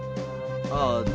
ああ。